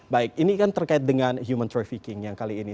baik ini kan terkait dengan human trafficking yang kali ini